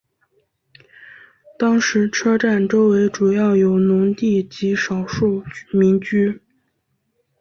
当时车站周围主要有农地及少量民居。